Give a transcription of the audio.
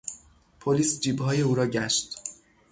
پلیس جیبهای او را گشت.